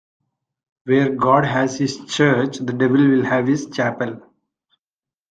Where God has his church, the devil will have his chapel.